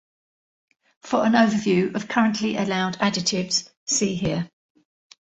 For an overview of currently allowed additives see here.